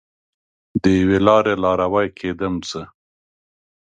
د یوې لارې لاروی کیدم زه